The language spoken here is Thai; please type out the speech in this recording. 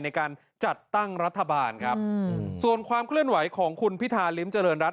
ในการจัดตั้งรัฐบาลครับส่วนความเคลื่อนไหวของคุณพิธาริมเจริญรัฐ